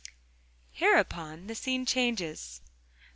Hereupon the scene changes.